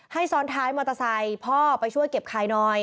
ซ้อนท้ายมอเตอร์ไซค์พ่อไปช่วยเก็บไข่หน่อย